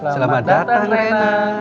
selamat datang rena